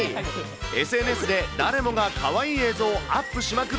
ＳＮＳで誰もがかわいい映像をアップしまくる